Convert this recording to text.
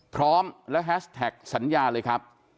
พร้อมและแฮชแท็กสัญญาเลยครับ